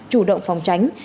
chủ động phòng tránh